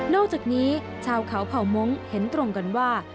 อกจากนี้ชาวเขาเผ่ามงค์เห็นตรงกันว่า